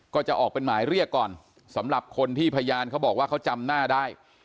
ก็จะออกเป็นหมายเรียกก่อนสำหรับคนที่พยานเขาบอกว่าเขาจำหน้าได้